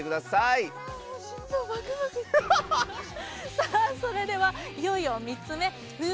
さあそれではいよいよ３つ目。